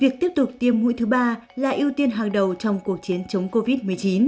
việc tiếp tục tiêm mũi thứ ba là ưu tiên hàng đầu trong cuộc chiến chống covid một mươi chín